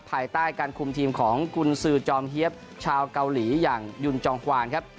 ภายใต้การคุมทีมของกุญซือจอมเฮียบชาวเกาหลีอย่างยุนจองควานครับ